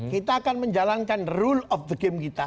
kita akan menjalankan rule of the game kita